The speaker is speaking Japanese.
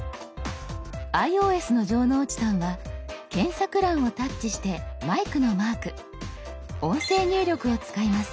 ｉＯＳの城之内さんは検索欄をタッチしてマイクのマーク音声入力を使います。